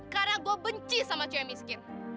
karena gue benci sama cuyam miskin